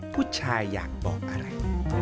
ผู้ชายอยากบอกอะไร